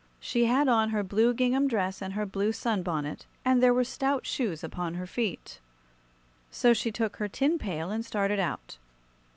She had on her blue gingham dress and her blue sun bonnet, and there were stout shoes upon her feet. So she took her tin pail and started out.